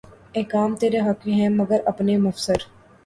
احکام ترے حق ہیں مگر اپنے مفسر